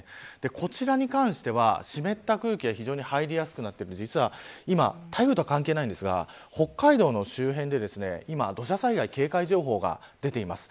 こちらに関しては湿った空気が非常に入りやすくなっていて台風とは関係ないんですが北海道の周辺で今土砂災害警戒情報が出ています。